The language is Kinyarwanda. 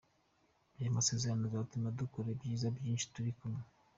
Aya masezerano azatuma dukora ibyiza byinshi turi kumwe.